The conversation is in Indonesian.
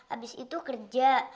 abis itu kerja